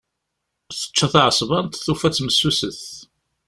Tečča taεeṣbant, tufa-tt messuset.